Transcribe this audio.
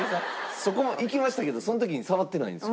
そこも行きましたけどその時に触ってないんですよ。